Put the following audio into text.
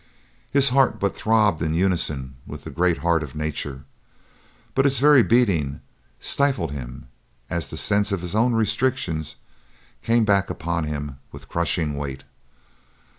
His heart but throbbed in unison with the great heart of Nature, but its very beating stifled him as the sense of his own restrictions came back upon him with crushing weight.